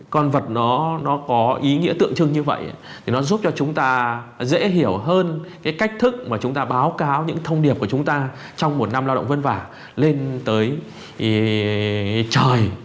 con vật nó có ý nghĩa tượng trưng như vậy thì nó giúp cho chúng ta dễ hiểu hơn cái cách thức mà chúng ta báo cáo những thông điệp của chúng ta trong một năm lao động vất vả lên tới trời